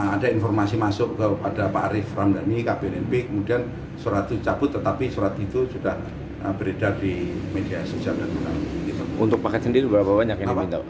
ada informasi masuk kepada pak arief ramdhani kbnp kemudian surat itu cabut tetapi surat itu sudah beredar di media sosial